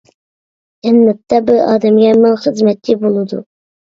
جەننەتتە بىر ئادەمگە مىڭ خىزمەتچى بولىدۇ.